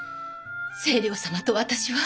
清瞭様と私は。